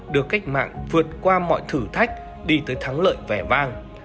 được cách mạng vượt qua mọi thử thách đi tới thắng lợi vẻ vang